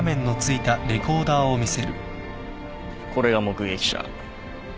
これが目撃者。